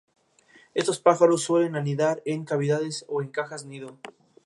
Los internautas acusaron a Real de actuar únicamente en su propio beneficio.